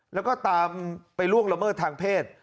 แล้วก็ตามไปล่วงละเมิดทางเพศ